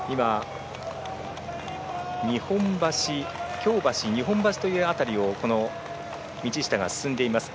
京橋、日本橋という辺りを道下が進んでします。